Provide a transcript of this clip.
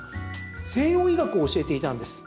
西洋医学を教えていたんです。